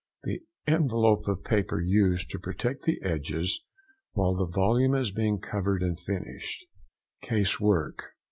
—The envelope of paper used to protect the edges while the volume is being covered and finished. CASE WORK.